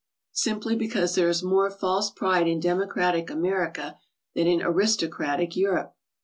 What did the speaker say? Simply because there is more false pride in democratic America than in aristocratic Europe.